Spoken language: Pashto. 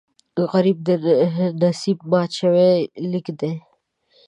غریب د نصیب مات شوی لیک دی